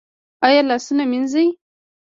ایا لاسونه مینځي؟